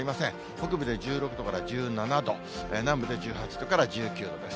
北部で１６度から１７度、南部で１８度から１９度です。